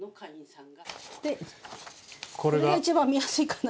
これが一番見やすいかな。